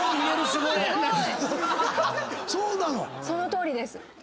そのとおりです。